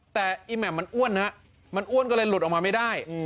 แต่อีแหม่มมันอ้วนฮะมันอ้วนก็เลยหลุดออกมาไม่ได้